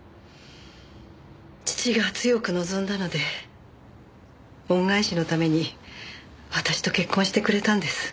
父が強く望んだので恩返しのために私と結婚してくれたんです。